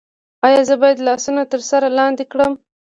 ایا زه باید لاسونه تر سر لاندې کړم؟